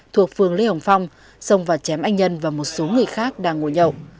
thuộc phường lê hồng phong xông vào chém anh nhân và một số người khác đang ngồi nhậu